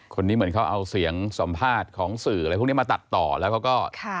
คนนี้เหมือนเขาเอาเสียงสัมภาษณ์ของสื่ออะไรพวกนี้มาตัดต่อแล้วเขาก็